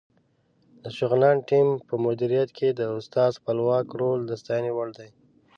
د شغنان ټیم په مدیریت کې د استاد خپلواک رول د ستاینې وړ دی.